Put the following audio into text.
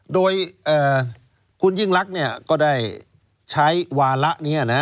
โดยคุณยิ่งลักษณ์ก็ได้ใช้วาระนี้นะ